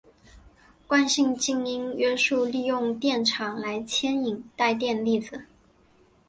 惯性静电约束利用电场来牵引带电粒子。